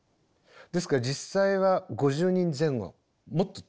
ですから実際は５０人前後もっと少ないかな。